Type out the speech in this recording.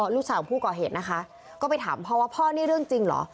ลูกสาวของผู้ก่อเหตุนะคะก็ไปถามพ่อว่าพ่อนี่เรื่องจริงเหรอ